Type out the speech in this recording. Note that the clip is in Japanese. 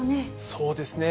そうですね。